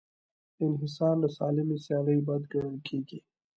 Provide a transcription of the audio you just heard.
انحصار له سالمې سیالۍ بد ګڼل کېږي.